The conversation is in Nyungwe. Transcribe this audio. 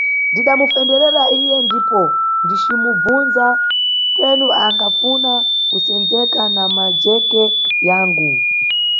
Ndidamufenderera iye ndipo ndicimubvunza penu akhafuna kusenzeka na majeke yangu.